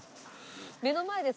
目の前です